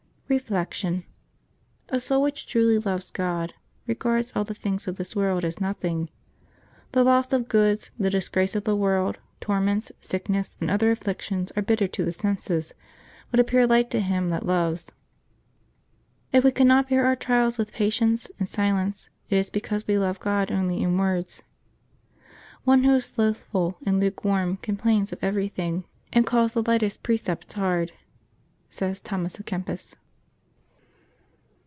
Reflection. — A soul which truly loves God regards all the things of this world as nothing. The loss of goods, the disgrace of the world, torments, sickness, and other afflic tions are bitter to the senses, but appear light t^ him that loves. If we cannot bear our trials with patience and silence, it is because we love God only in words. " One who is slothful and lukewarm complains of everything. 212 LIYES OF THE SAINTS [June 9 and calls the lightest precepts hard/' sa3^s Thomas a Kempis.